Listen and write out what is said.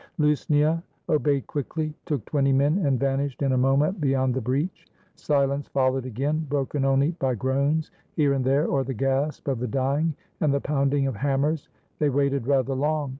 Lusnia obeyed quickly, took twenty men, and van ished in a moment beyond the breach. Silence followed again, broken only by groans here and there, or the gasp of the dying, and the pounding of hammers. They waited rather long.